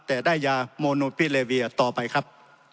แต่ได้ยาโมโนปิเลเวียต่อไปครับ